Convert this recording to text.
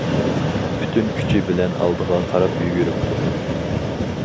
پۈتۈن كۈچى بىلەن ئالدىغا قاراپ يۈگۈرۈپتۇ.